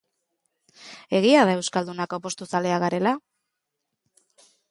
Egia da euskaldunak apostuzaleak garela?